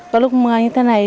có lúc mưa như thế này